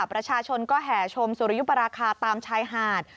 ประชาชนก็แห่ชมสุริยุปราคาตามชายหาด